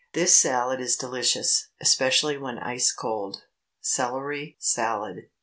This salad is delicious, especially when ice cold. CELERY SALAD.